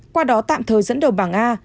qua đó tạm thời dẫn đầu bảng a